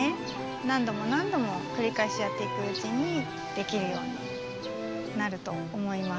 なんどもなんどもくりかえしやっていくうちにできるようになると思います。